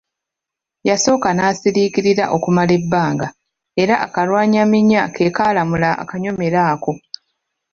Yasooka n'asiriikirira okumala ebbanga, era akalwanyaminya ke kaalamula akanyomero ako.